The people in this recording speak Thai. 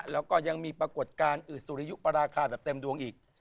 แล้วก็ยังมีปรากฏการณ์อึดสุริยุปราคาแบบเต็มดวงอีก